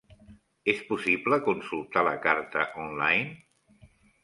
És possible consultar la carta online?